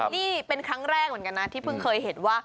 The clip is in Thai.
นี่เป็นครั้งแรกเหมือนกันนะที่เพิ่งเคยเห็นว่า